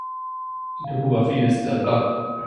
Die Topografie ist sehr flach.